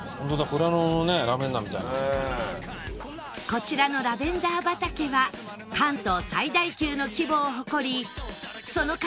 こちらのラベンダー畑は関東最大級の規模を誇りその数